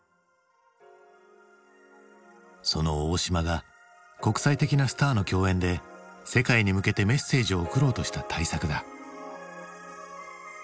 その大島が国際的なスターの共演で世界に向けてメッセージを送ろうとした大作だ。